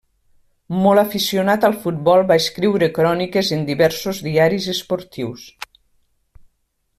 Molt aficionat al futbol va escriure cròniques en diversos diaris esportius.